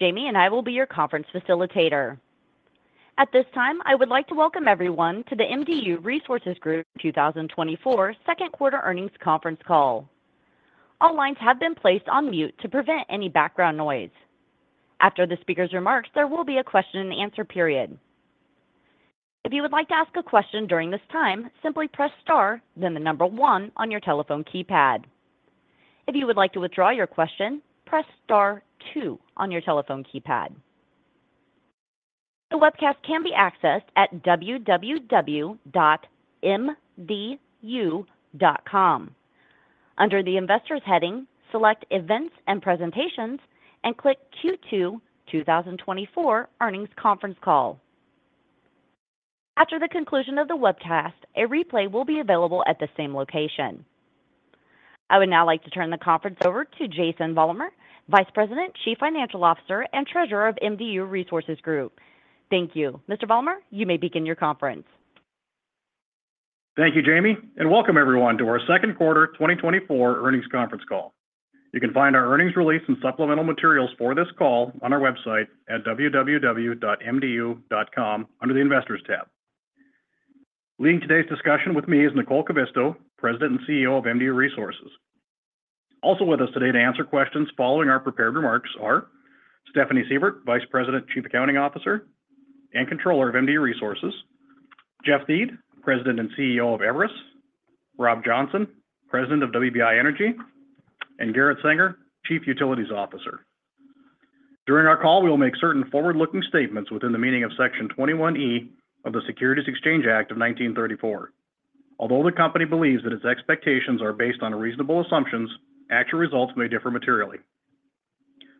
Jamie and I will be your conference facilitator. At this time, I would like to welcome everyone to the MDU Resources Group 2024 second quarter earnings conference call. All lines have been placed on mute to prevent any background noise. After the speaker's remarks, there will be a question and answer period. If you would like to ask a question during this time, simply press star, then the number one on your telephone keypad. If you would like to withdraw your question, press star two on your telephone keypad. The webcast can be accessed at www.mdu.com. Under the Investors heading, select Events and Presentations and click Q2 2024 earnings conference call. After the conclusion of the webcast, a replay will be available at the same location. I would now like to turn the conference over to Jason Vollmer, Vice President, Chief Financial Officer, and Treasurer of MDU Resources Group. Thank you. Mr. Vollmer, you may begin your conference. Thank you, Jamie, and welcome everyone to our second quarter 2024 earnings conference call. You can find our earnings release and supplemental materials for this call on our website at www.mdu.com under the Investors tab. Leading today's discussion with me is Nicole Kivisto, President and CEO of MDU Resources. Also with us today to answer questions following our prepared remarks are Stephanie Seivert, Vice President, Chief Accounting Officer, and Controller of MDU Resources; Jeff Thiede, President and CEO of Everus; Rob Johnson, President of WBI Energy; and Garrett Senger, Chief Utilities Officer. During our call, we will make certain forward-looking statements within the meaning of Section 21E of the Securities Exchange Act of 1934. Although the company believes that its expectations are based on reasonable assumptions, actual results may differ materially.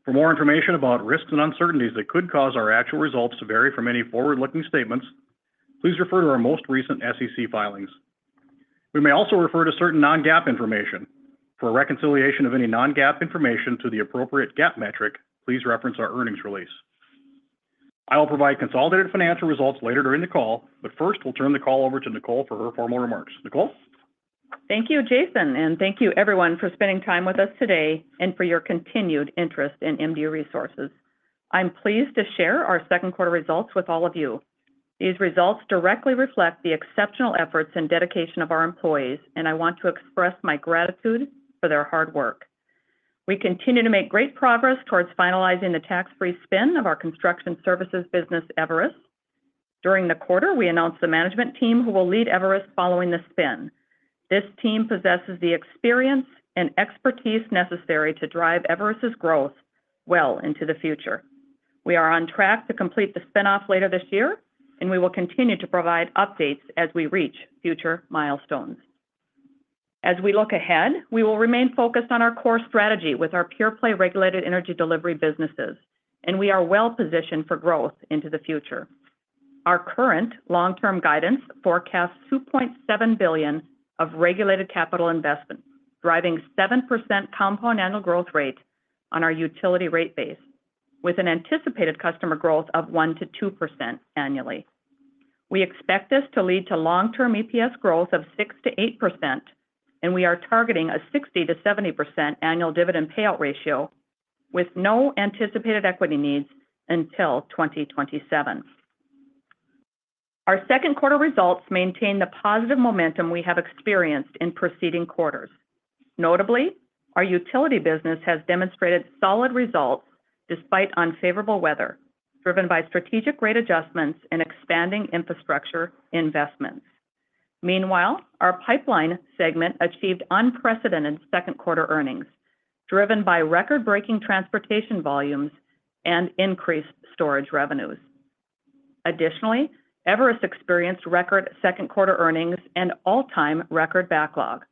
For more information about risks and uncertainties that could cause our actual results to vary from any forward-looking statements, please refer to our most recent SEC filings. We may also refer to certain non-GAAP information. For a reconciliation of any non-GAAP information to the appropriate GAAP metric, please reference our earnings release. I will provide consolidated financial results later during the call, but first, we'll turn the call over to Nicole for her formal remarks. Nicole? Thank you, Jason, and thank you everyone for spending time with us today and for your continued interest in MDU Resources. I'm pleased to share our second quarter results with all of you. These results directly reflect the exceptional efforts and dedication of our employees, and I want to express my gratitude for their hard work. We continue to make great progress towards finalizing the tax-free spin of our construction services business, Everus. During the quarter, we announced the management team who will lead Everus following the spin. This team possesses the experience and expertise necessary to drive Everus growth well into the future. We are on track to complete the spin-off later this year, and we will continue to provide updates as we reach future milestones. As we look ahead, we will remain focused on our core strategy with our pure-play regulated energy delivery businesses, and we are well positioned for growth into the future. Our current long-term guidance forecasts $2.7 billion of regulated capital investment, driving 7% compound annual growth rate on our utility rate base, with an anticipated customer growth of 1%-2% annually. We expect this to lead to long-term EPS growth of 6%-8%, and we are targeting a 60%-70% annual dividend payout ratio with no anticipated equity needs until 2027. Our second quarter results maintain the positive momentum we have experienced in preceding quarters. Notably, our utility business has demonstrated solid results despite unfavorable weather, driven by strategic rate adjustments and expanding infrastructure investments. Meanwhile, our pipeline segment achieved unprecedented second-quarter earnings, driven by record-breaking transportation volumes and increased storage revenues. Additionally, Everus experienced record second-quarter earnings and all-time record backlog.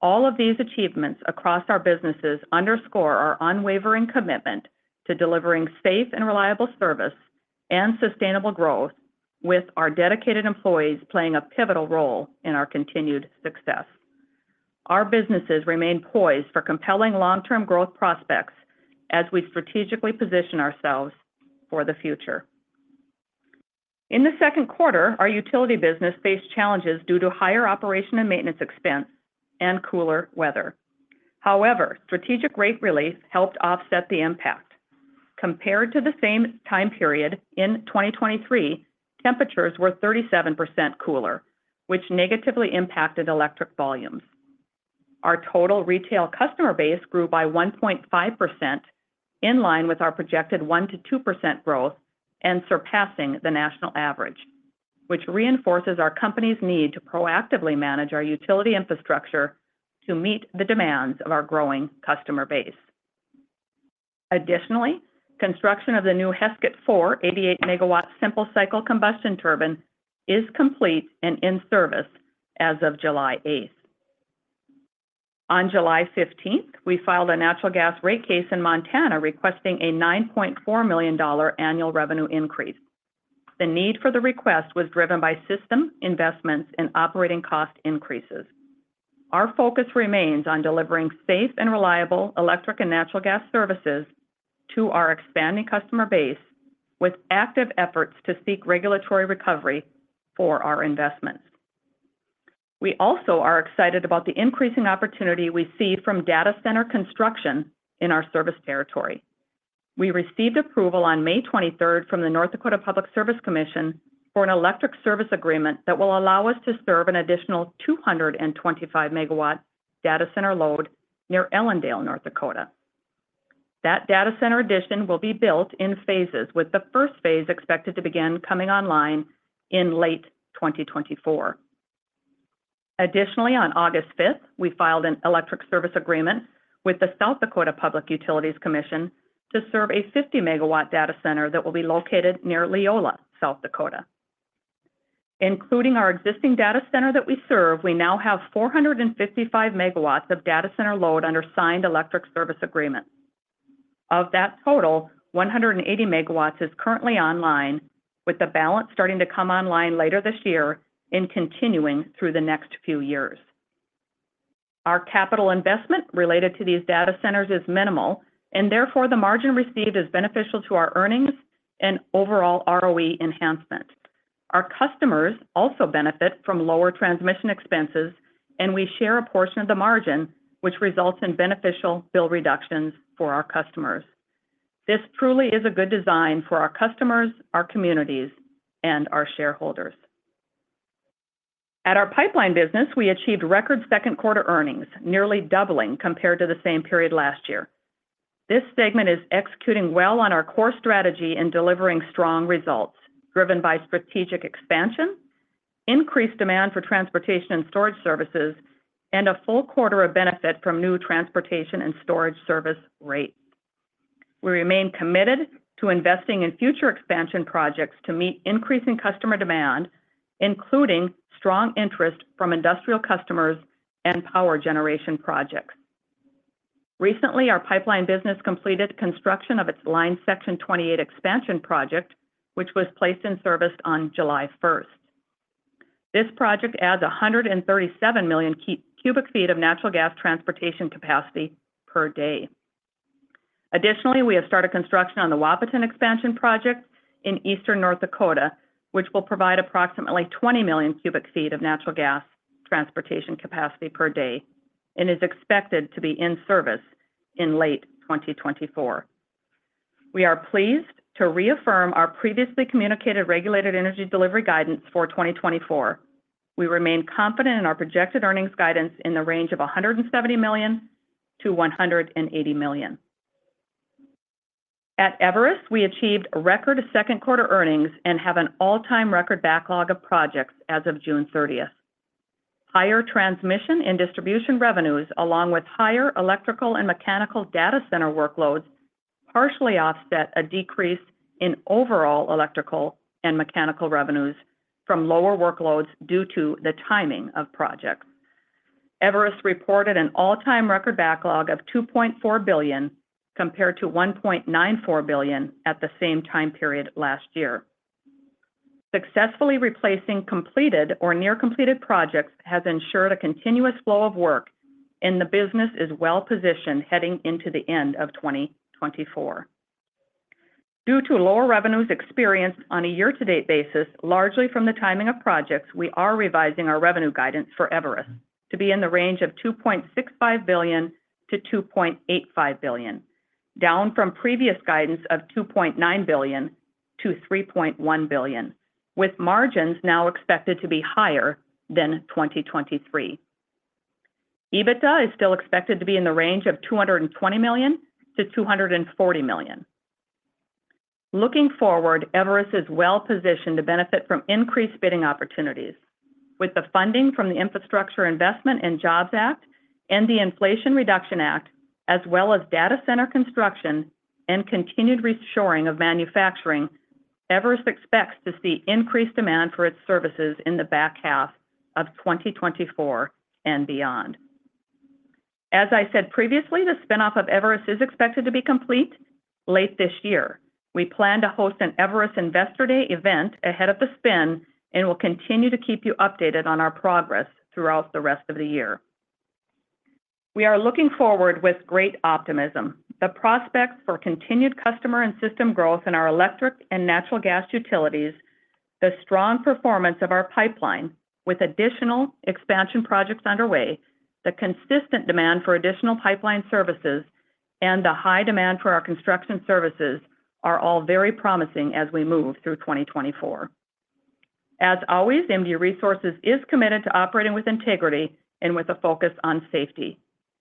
All of these achievements across our businesses underscore our unwavering commitment to delivering safe and reliable service and sustainable growth, with our dedicated employees playing a pivotal role in our continued success. Our businesses remain poised for compelling long-term growth prospects as we strategically position ourselves for the future. In the second quarter, our utility business faced challenges due to higher operation and maintenance expense and cooler weather. However, strategic rate relief helped offset the impact. Compared to the same time period in 2023, temperatures were 37% cooler, which negatively impacted electric volumes. Our total retail customer base grew by 1.5%, in line with our projected 1%-2% growth and surpassing the national average, which reinforces our company's need to proactively manage our utility infrastructure to meet the demands of our growing customer base. Additionally, construction of the new Heskett 4, 88-MW simple cycle combustion turbine, is complete and in service as of July 8. On July 15, we filed a natural gas rate case in Montana, requesting a $9.4 million annual revenue increase. The need for the request was driven by system investments and operating cost increases. Our focus remains on delivering safe and reliable electric and natural gas services to our expanding customer base, with active efforts to seek regulatory recovery for our investments. We also are excited about the increasing opportunity we see from data center construction in our service territory. We received approval on May 23rd from the North Dakota Public Service Commission for an electric service agreement that will allow us to serve an additional 225-MW data center load near Ellendale, North Dakota. That data center addition will be built in phases, with the first phase expected to begin coming online in late 2024. Additionally, on August 5th, we filed an electric service agreement with the South Dakota Public Utilities Commission to serve a 50-MW data center that will be located near Leola, South Dakota. Including our existing data center that we serve, we now have 455 MW of data center load under signed electric service agreement. Of that total, 180 MW is currently online, with the balance starting to come online later this year and continuing through the next few years. Our capital investment related to these data centers is minimal, and therefore, the margin received is beneficial to our earnings and overall ROE enhancement. Our customers also benefit from lower transmission expenses, and we share a portion of the margin, which results in beneficial bill reductions for our customers. This truly is a good design for our customers, our communities, and our shareholders. At our pipeline business, we achieved record second quarter earnings, nearly doubling compared to the same period last year. This segment is executing well on our core strategy and delivering strong results, driven by strategic expansion, increased demand for transportation and storage services, and a full quarter of benefit from new transportation and storage service rates. We remain committed to investing in future expansion projects to meet increasing customer demand, including strong interest from industrial customers and power generation projects. Recently, our pipeline business completed construction of its Line Section 28 expansion project, which was placed in service on July 1. This project adds 137 million cubic feet of natural gas transportation capacity per day. Additionally, we have started construction on the Wahpeton expansion project in eastern North Dakota, which will provide approximately 20 million cubic feet of natural gas transportation capacity per day and is expected to be in service in late 2024. We are pleased to reaffirm our previously communicated regulated energy delivery guidance for 2024. We remain confident in our projected earnings guidance in the range of $170 million-$180 million. At Everus, we achieved record second-quarter earnings and have an all-time record backlog of projects as of June 30. Higher transmission and distribution revenues, along with higher electrical and mechanical data center workloads, partially offset a decrease in overall electrical and mechanical revenues from lower workloads due to the timing of projects. Everus reported an all-time record backlog of $2.4 billion, compared to $1.94 billion at the same time period last year. Successfully replacing completed or near-completed projects has ensured a continuous flow of work, and the business is well-positioned heading into the end of 2024. Due to lower revenues experienced on a year-to-date basis, largely from the timing of projects, we are revising our revenue guidance for Everus to be in the range of $2.65 billion-$2.85 billion, down from previous guidance of $2.9 billion-$3.1 billion, with margins now expected to be higher than 2023. EBITDA is still expected to be in the range of $220 million-$240 million. Looking forward, Everus is well positioned to benefit from increased bidding opportunities. With the funding from the Infrastructure Investment and Jobs Act and the Inflation Reduction Act, as well as data center construction and continued reshoring of manufacturing, Everus expects to see increased demand for its services in the back half of 2024 and beyond. As I said previously, the spin-off of Everus is expected to be complete late this year. We plan to host an Everus Investor Day event ahead of the spin, and we'll continue to keep you updated on our progress throughout the rest of the year. We are looking forward with great optimism. The prospects for continued customer and system growth in our electric and natural gas utilities, the strong performance of our pipeline, with additional expansion projects underway, the consistent demand for additional pipeline services, and the high demand for our construction services are all very promising as we move through 2024. As always, MDU Resources is committed to operating with integrity and with a focus on safety.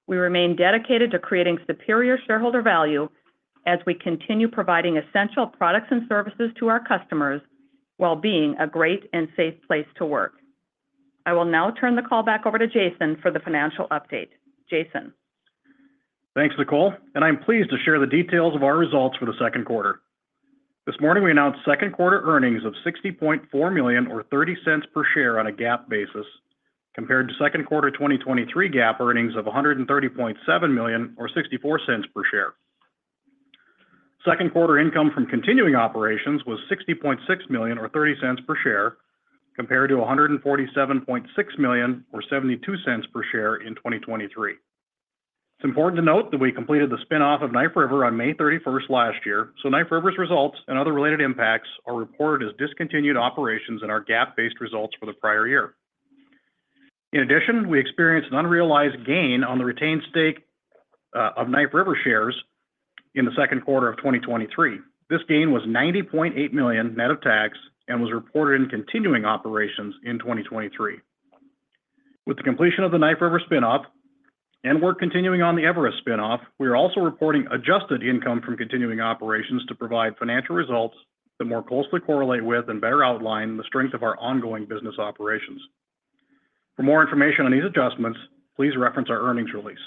We remain dedicated to creating superior shareholder value as we continue providing essential products and services to our customers while being a great and safe place to work. I will now turn the call back over to Jason for the financial update. Jason? Thanks, Nicole, and I'm pleased to share the details of our results for the second quarter. This morning, we announced second quarter earnings of $60.4 million or $0.30 per share on a GAAP basis, compared to second quarter 2023 GAAP earnings of $130.7 million or $0.64 per share. Second quarter income from continuing operations was $60.6 million or $0.30 per share, compared to $147.6 million or $0.72 per share in 2023. It's important to note that we completed the spin-off of Knife River on May 31 last year, so Knife River's results and other related impacts are reported as discontinued operations in our GAAP-based results for the prior year. In addition, we experienced an unrealized gain on the retained stake of Knife River shares in the second quarter of 2023. This gain was $90.8 million net of tax and was reported in continuing operations in 2023. With the completion of the Knife River spin-off, and we're continuing on the Everus spin-off, we are also reporting adjusted income from continuing operations to provide financial results that more closely correlate with and better outline the strength of our ongoing business operations. For more information on these adjustments, please reference our earnings release.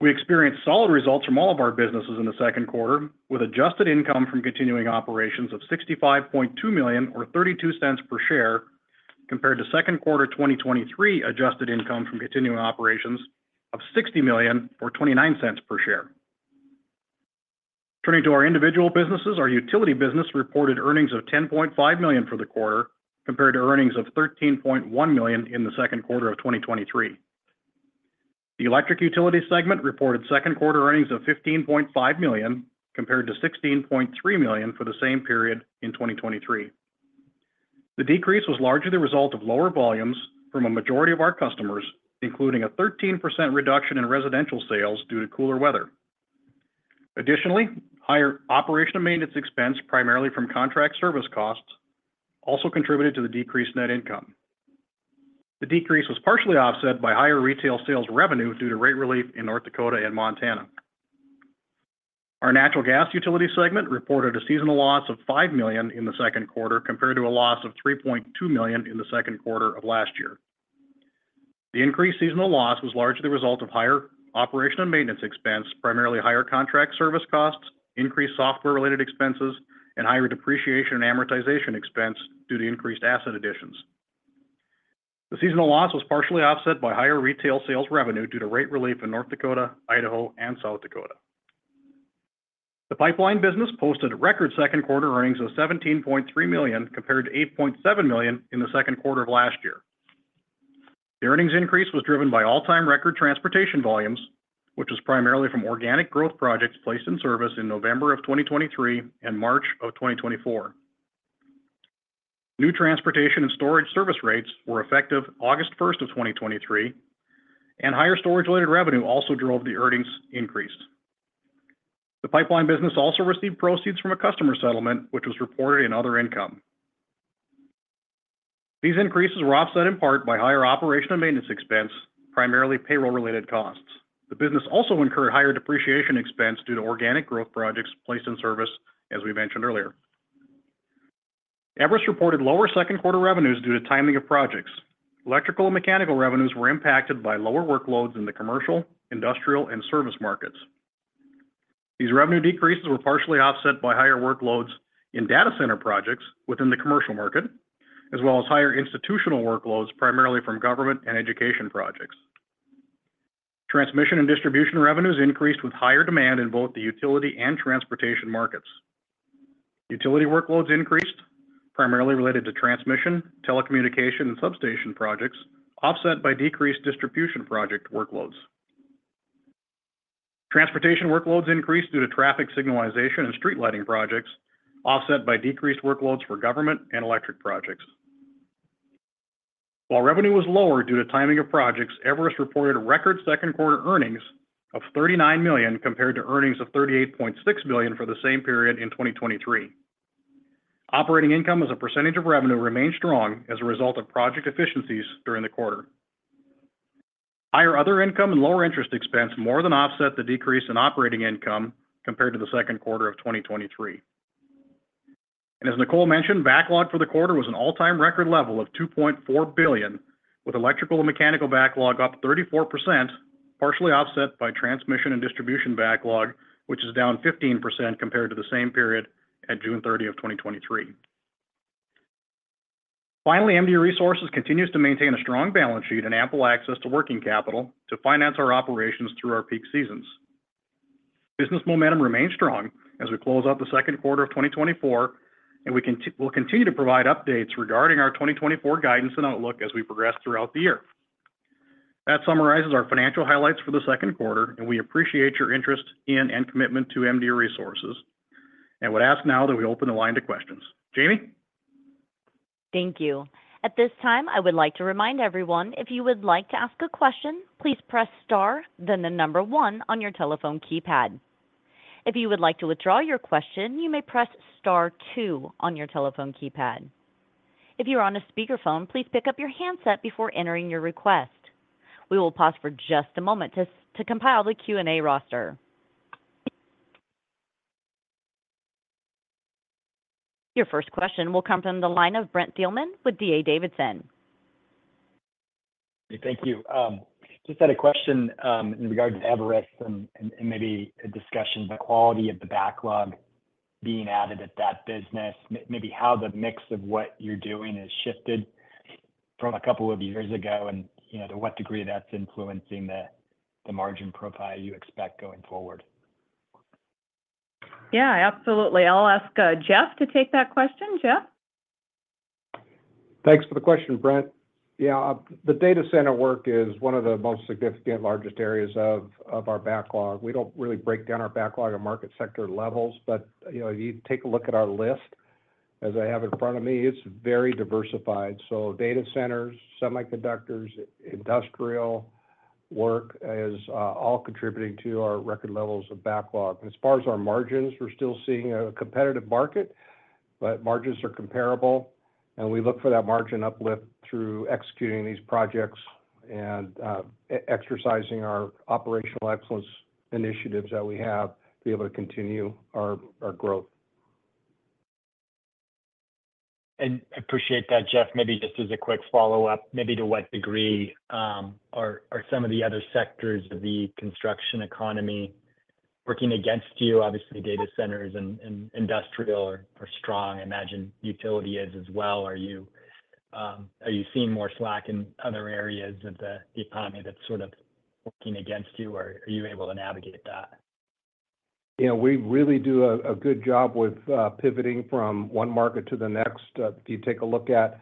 We experienced solid results from all of our businesses in the second quarter, with adjusted income from continuing operations of $65.2 million or $0.32 per share, compared to second quarter 2023 adjusted income from continuing operations of $60 million or $0.29 per share. Turning to our individual businesses, our utility business reported earnings of $10.5 million for the quarter, compared to earnings of $13.1 million in the second quarter of 2023. The electric utility segment reported second quarter earnings of $15.5 million, compared to $16.3 million for the same period in 2023. The decrease was largely the result of lower volumes from a majority of our customers, including a 13% reduction in residential sales due to cooler weather. Additionally, higher operation and maintenance expense, primarily from contract service costs, also contributed to the decreased net income. The decrease was partially offset by higher retail sales revenue due to rate relief in North Dakota and Montana. Our natural gas utility segment reported a seasonal loss of $5 million in the second quarter, compared to a loss of $3.2 million in the second quarter of last year. The increased seasonal loss was largely the result of higher operational maintenance expense, primarily higher contract service costs, increased software-related expenses, and higher depreciation and amortization expense due to increased asset additions. The seasonal loss was partially offset by higher retail sales revenue due to rate relief in North Dakota, Idaho, and South Dakota. The pipeline business posted record second quarter earnings of $17.3 million, compared to $8.7 million in the second quarter of last year. The earnings increase was driven by all-time record transportation volumes, which was primarily from organic growth projects placed in service in November 2023 and March 2024. New transportation and storage service rates were effective August 1, 2023, and higher storage-related revenue also drove the earnings increase. The pipeline business also received proceeds from a customer settlement, which was reported in other income. These increases were offset in part by higher operation and maintenance expense, primarily payroll-related costs. The business also incurred higher depreciation expense due to organic growth projects placed in service, as we mentioned earlier. Everus reported lower second quarter revenues due to timing of projects. Electrical and mechanical revenues were impacted by lower workloads in the commercial, industrial, and service markets. These revenue decreases were partially offset by higher workloads in data center projects within the commercial market, as well as higher institutional workloads, primarily from government and education projects. Transmission and distribution revenues increased with higher demand in both the utility and transportation markets. Utility workloads increased, primarily related to transmission, telecommunication, and substation projects, offset by decreased distribution project workloads. Transportation workloads increased due to traffic signalization and street lighting projects, offset by decreased workloads for government and electric projects. While revenue was lower due to timing of projects, Everus reported a record second quarter earnings of $39 million, compared to earnings of $38.6 million for the same period in 2023. Operating income as a percentage of revenue remained strong as a result of project efficiencies during the quarter. Higher other income and lower interest expense more than offset the decrease in operating income compared to the second quarter of 2023. And as Nicole mentioned, backlog for the quarter was an all-time record level of $2.4 billion, with electrical and mechanical backlog up 34%, partially offset by transmission and distribution backlog, which is down 15% compared to the same period at June 30, 2023. Finally, MDU Resources continues to maintain a strong balance sheet and ample access to working capital to finance our operations through our peak seasons. Business momentum remains strong as we close out the second quarter of 2024, and we'll continue to provide updates regarding our 2024 guidance and outlook as we progress throughout the year. That summarizes our financial highlights for the second quarter, and we appreciate your interest in and commitment to MDU Resources, and would ask now that we open the line to questions. Jamie? Thank you. At this time, I would like to remind everyone, if you would like to ask a question, please press star, then the number one on your telephone keypad. If you would like to withdraw your question, you may press star two on your telephone keypad. If you are on a speakerphone, please pick up your handset before entering your request. We will pause for just a moment to compile the Q&A roster. Your first question will come from the line of Brent Thielman with D.A. Davidson. Thank you. Just had a question in regards to Everus and maybe a discussion, the quality of the backlog being added at that business. Maybe how the mix of what you're doing has shifted from a couple of years ago, and, you know, to what degree that's influencing the margin profile you expect going forward? Yeah, absolutely. I'll ask Jeff to take that question. Jeff? Thanks for the question, Brent. Yeah, the data center work is one of the most significant, largest areas of our backlog. We don't really break down our backlog of market sector levels, but, you know, you take a look at our list, as I have in front of me, it's very diversified. So data centers, semiconductors, industrial work is all contributing to our record levels of backlog. As far as our margins, we're still seeing a competitive market, but margins are comparable, and we look for that margin uplift through executing these projects and exercising our operational excellence initiatives that we have to be able to continue our growth. I appreciate that, Jeff. Maybe just as a quick follow-up, maybe to what degree are some of the other sectors of the construction economy working against you? Obviously, data centers and industrial are strong. I imagine utility is as well. Are you seeing more slack in other areas of the economy that's sort of working against you, or are you able to navigate that? Yeah, we really do a good job with pivoting from one market to the next. If you take a look at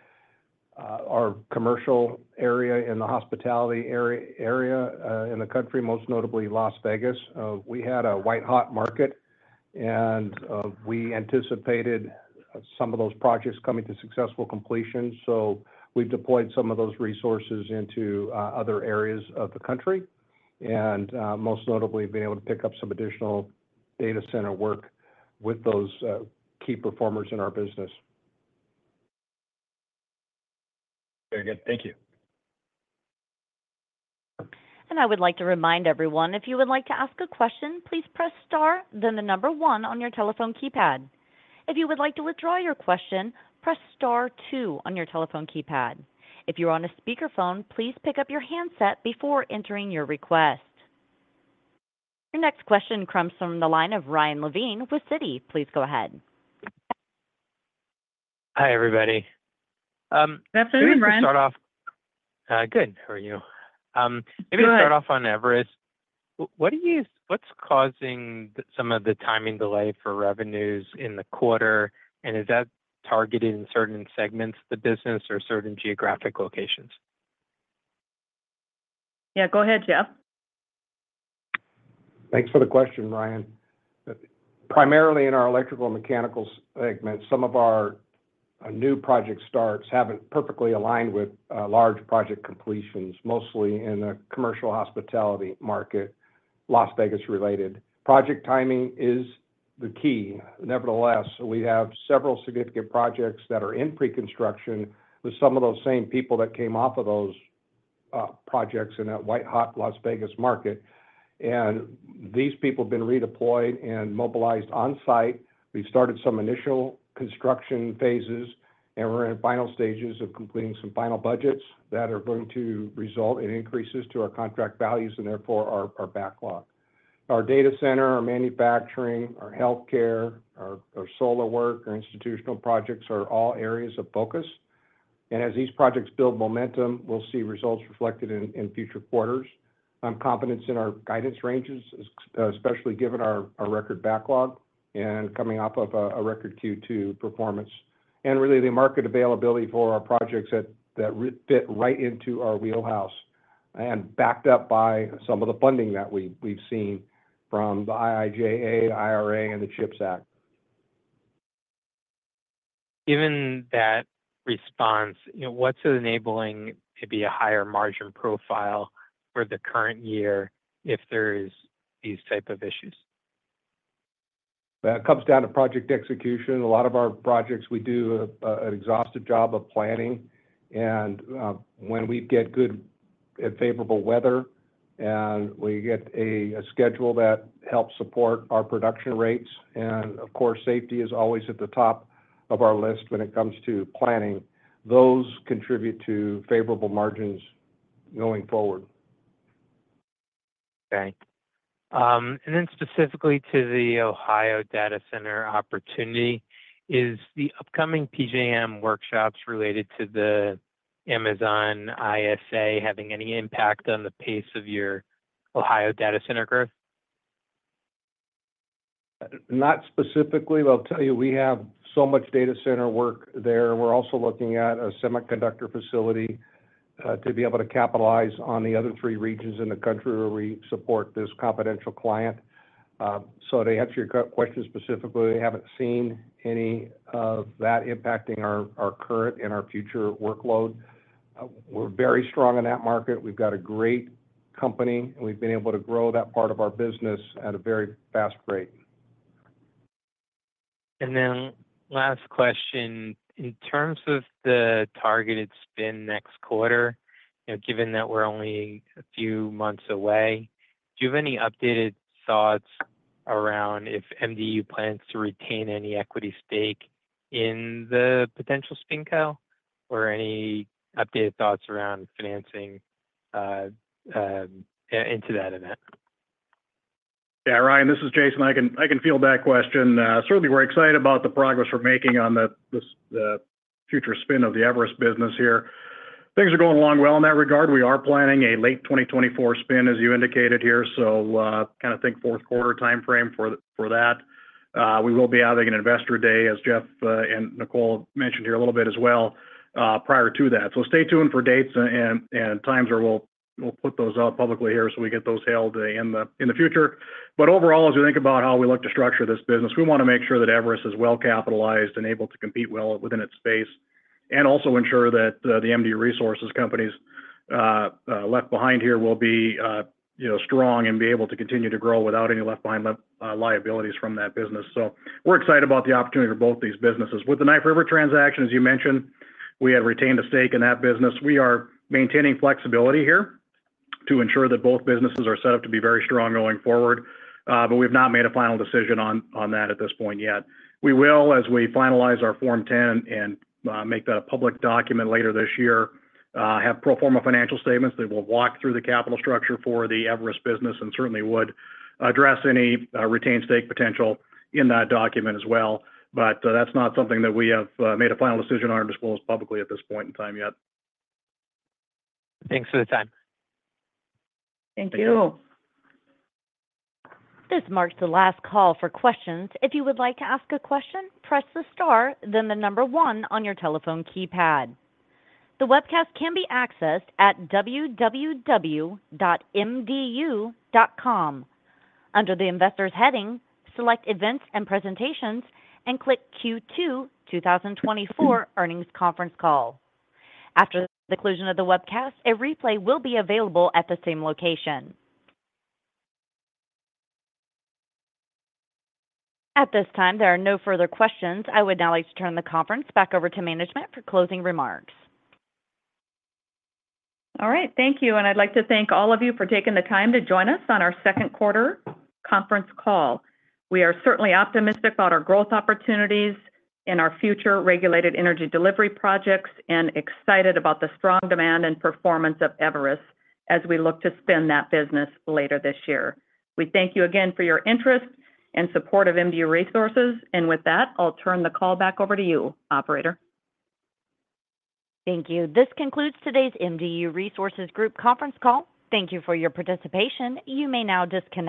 our commercial area in the hospitality area in the country, most notably Las Vegas, we had a white-hot market, and we anticipated some of those projects coming to successful completion. So we've deployed some of those resources into other areas of the country, and most notably, being able to pick up some additional data center work with those key performers in our business. Very good. Thank you. I would like to remind everyone, if you would like to ask a question, please press star, then the number one on your telephone keypad. If you would like to withdraw your question, press star two on your telephone keypad. If you're on a speakerphone, please pick up your handset before entering your request. Your next question comes from the line of Ryan Levine with Citi. Please go ahead. Hi, everybody. That's okay, Ryan. Good to start off... good, how are you? Good. Maybe to start off on Everus. What's causing some of the timing delay for revenues in the quarter? And is that targeted in certain segments of the business or certain geographic locations? Yeah, go ahead, Jeff. Thanks for the question, Ryan. Primarily in our electrical and mechanical segment, some of our new project starts haven't perfectly aligned with large project completions, mostly in the commercial hospitality market, Las Vegas-related. Project timing is the key. Nevertheless, we have several significant projects that are in pre-construction with some of those same people that came off of those projects in that white-hot Las Vegas market. And these people have been redeployed and mobilized on site. We've started some initial construction phases, and we're in final stages of completing some final budgets that are going to result in increases to our contract values and therefore our backlog. Our data center, our manufacturing, our healthcare, our solar work, our institutional projects are all areas of focus. And as these projects build momentum, we'll see results reflected in future quarters. I'm confident in our guidance ranges, especially given our record backlog and coming off of a record Q2 performance, and really, the market availability for our projects that fit right into our wheelhouse, and backed up by some of the funding that we've seen from the IIJA, IRA, and the CHIPS Act. Given that response, you know, what's enabling to be a higher margin profile for the current year if there is these type of issues? That comes down to project execution. A lot of our projects, we do an exhaustive job of planning. And, when we get good and favorable weather, and we get a schedule that helps support our production rates, and of course, safety is always at the top of our list when it comes to planning, those contribute to favorable margins going forward. Okay. Then specifically to the Ohio data center opportunity, is the upcoming PJM workshops related to the Amazon ISA having any impact on the pace of your Ohio data center growth? Not specifically. But I'll tell you, we have so much data center work there. We're also looking at a semiconductor facility, to be able to capitalize on the other three regions in the country where we support this confidential client. So to answer your question specifically, we haven't seen any of that impacting our, our current and our future workload. We're very strong in that market. We've got a great company, and we've been able to grow that part of our business at a very fast rate. Last question: in terms of the targeted spin next quarter, you know, given that we're only a few months away, do you have any updated thoughts around if MDU plans to retain any equity stake in the potential spin co, or any updated thoughts around financing into that event? Yeah, Ryan, this is Jason. I can, I can field that question. Certainly, we're excited about the progress we're making on the, this, the future spin of the Everus business here.... Things are going along well in that regard. We are planning a late 2024 spin, as you indicated here, so, kind of think fourth quarter timeframe for, for that. We will be having an Investor Day, as Jeff and Nicole mentioned here a little bit as well, prior to that. So stay tuned for dates and, and, and times, or we'll, we'll put those out publicly here, so we get those held in the, in the future. But overall, as we think about how we look to structure this business, we wanna make sure that Everus is well-capitalized and able to compete well within its space, and also ensure that, the MDU Resources companies, left behind here will be, you know, strong and be able to continue to grow without any left behind liabilities from that business. So we're excited about the opportunity for both these businesses. With the Knife River transaction, as you mentioned, we have retained a stake in that business. We are maintaining flexibility here to ensure that both businesses are set up to be very strong going forward, but we've not made a final decision on that at this point yet. We will, as we finalize our Form 10 and make that a public document later this year, have pro forma financial statements that will walk through the capital structure for the Everus business and certainly would address any retained stake potential in that document as well. But that's not something that we have made a final decision on or disclosed publicly at this point in time yet. Thanks for the time. Thank you. This marks the last call for questions. If you would like to ask a question, press the star, then the number one on your telephone keypad. The webcast can be accessed at www.mdu.com. Under the Investors heading, select Events and Presentations and click Q2 2024 earnings conference call. After the conclusion of the webcast, a replay will be available at the same location. At this time, there are no further questions. I would now like to turn the conference back over to management for closing remarks. All right, thank you, and I'd like to thank all of you for taking the time to join us on our second quarter conference call. We are certainly optimistic about our growth opportunities and our future regulated energy delivery projects, and excited about the strong demand and performance of Everus as we look to spin that business later this year. We thank you again for your interest and support of MDU Resources, and with that, I'll turn the call back over to you, operator. Thank you. This concludes today's MDU Resources Group conference call. Thank you for your participation. You may now disconnect.